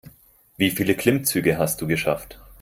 Wie viele Klimmzüge hast du geschafft?